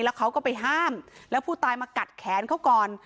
แล้วเขาก็ไปห้ามแล้วผู้ตายมากัดแขนเขาก่อน